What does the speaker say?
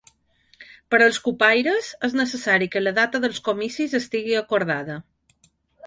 Per als cupaires és necessari que la data dels comicis estigui acordada.